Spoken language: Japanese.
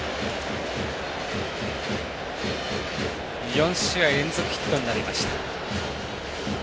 ４試合連続ヒットになりました。